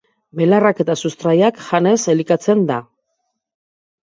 Belarrak eta sustraiak janez elikatzen da.